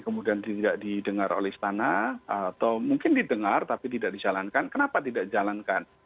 kemudian tidak didengar oleh istana atau mungkin didengar tapi tidak dijalankan kenapa tidak dijalankan